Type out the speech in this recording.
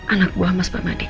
anak buah mas permadi